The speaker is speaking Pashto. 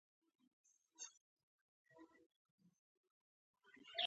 دا پروژه د نوو پوهانو د همکارۍ لپاره یوه زمینه برابروي.